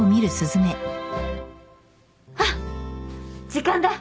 あっ時間だ。